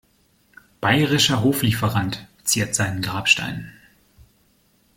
Bayerischer Hoflieferant“ ziert seinen Grabstein.